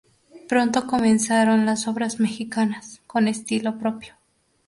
Pronto comenzaron las obras mexicanas, con estilo propio.